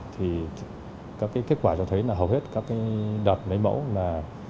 thì các kết quả cho thấy là hầu hết các đợt lấy mẫu là